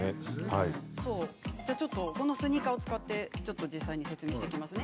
このスニーカーを使って説明していきますね。